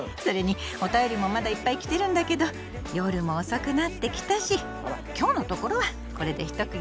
それにおたよりもまだいっぱい来てるんだけど夜も遅くなってきたし今日のところはこれで一区切りにしませんか。